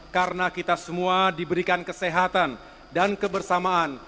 karena kita semua diberikan kesehatan dan kebersamaan